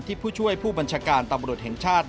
ผู้ช่วยผู้บัญชาการตำรวจแห่งชาติ